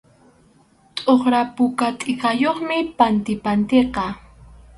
Tʼuqra puka tʼikayuqmi pantipantiqa.